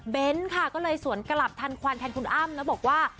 ค่ะก็เลยสวนกลับทันควันแทนคุณอ้ำแล้วบอกว่า